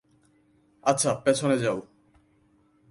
আচ্ছা, পেছনে যাও।